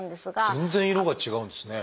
全然色が違うんですね。